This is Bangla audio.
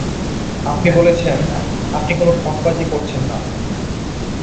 আপনি বলেছেন, আপনি কোনো ঠগবাজি করছেন না।